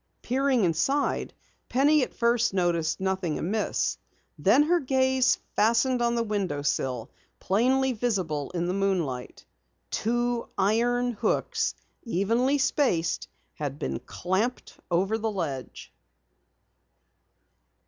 Peering inside, Penny at first noticed nothing amiss. Then her gaze fastened on the window sill, plainly visible in the moonlight. Two iron hooks, evenly spaced, had been clamped over the ledge!